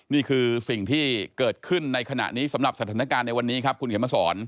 นี่คือสิ่งที่เกิดขึ้นในขณะนี้สำหรับสถานการณ์ในวันนี้ครับคุณเข็มมาสอน